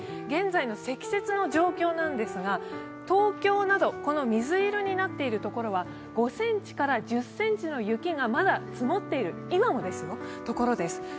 現在の積雪の状況ですが、東京など水色になっているところは５ｃｍから１０ｃｍの雪が今もまだ積もっている所です。